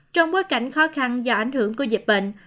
trong bối cảnh khó khăn do ảnh hưởng của dịch bệnh